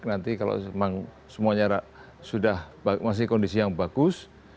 nanti kalau memang semuanya sudah masih kondisi yang bagus